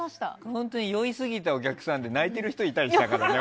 本当に酔いすぎたお客さんで泣いてる人いたりしたからね。